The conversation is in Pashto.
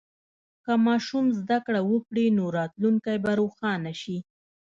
که ماشوم زده کړه وکړي، نو راتلونکی به روښانه شي.